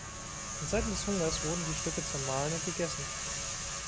In Zeiten des Hungers wurden die Stücke zermahlen und gegessen.